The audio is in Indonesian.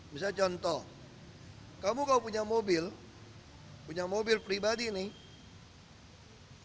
misalnya contoh kamu kalau punya mobil punya mobil pribadi nih